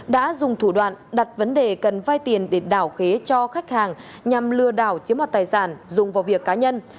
đã dùng thủ đoạn đặt vấn đề cần vay tiền để đảo khế cho khách hàng nhằm lừa đảo chiếm hoạt tài sản dùng vào việc cá nhân